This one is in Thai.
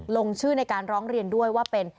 ลงชื่อในการร้องเรียนด้วยว่าเป็น